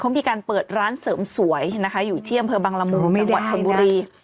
เขามีการเปิดร้านเสริมสวยนะคะอยู่ที่อำเภอบังละมุงจังหวัดชนบุรี